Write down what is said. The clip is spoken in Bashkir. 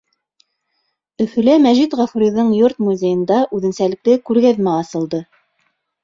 Өфөлә Мәжит Ғафуриҙың йорт-музейында үҙенсәлекле күргәҙмә асылды.